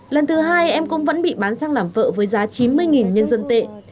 lần thứ hai em cũng vẫn bị bán sang làm vợ với giá chín mươi nhân dân tệ